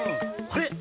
あれ？